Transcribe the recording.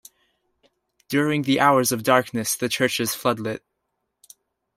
During the hours of darkness the church is floodlit.